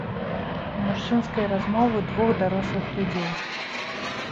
Мужчынскай размовы двух дарослых людзей.